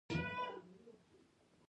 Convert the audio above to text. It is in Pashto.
د بېجینګ اقتصاد ډېر پیاوړی دی.